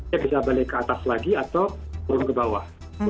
dia bisa balik ke atas lagi atau turun ke bawah